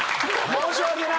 申し訳ない。